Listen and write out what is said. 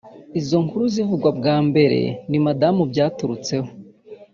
Izo nkuru zivugwa bwa mbere ni madamu byaturutseho